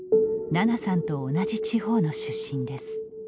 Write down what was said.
ななさんと同じ地方の出身です。